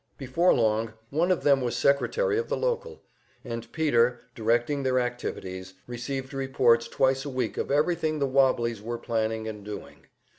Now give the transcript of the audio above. Before long one of them was secretary of the local; and Peter, directing their activities, received reports twice a week of everything the "wobblies" were planning and doing.